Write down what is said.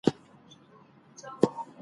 هغه د یونان د پوهانو په څیر و.